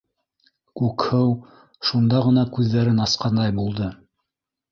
- Күкһыу шунда ғына күҙҙәрен асҡандай булды.